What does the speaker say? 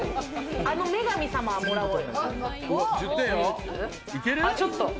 あの女神様、もらおう。